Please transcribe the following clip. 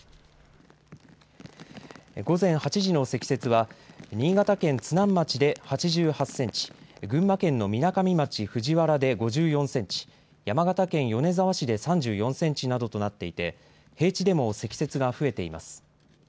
午前８時の積雪は新潟県津南町で８８センチ、群馬県のみなかみ町藤原で５４センチ、山形県米沢市で３４センチなどとなっていて平地でも積雪が増えています。